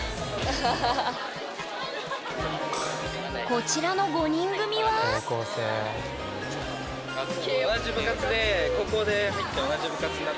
こちらの５人組は家族。